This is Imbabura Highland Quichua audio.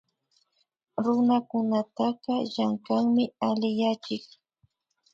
Runakunataka llankanmi alli yachik